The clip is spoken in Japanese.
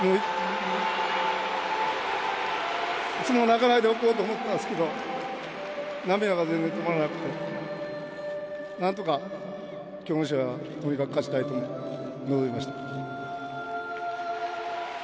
いつも泣かないでおこうと思ったんですけど、涙が全然止まらなくて、なんとか、きょうの試合はとにかく勝ちたいと思って臨みました。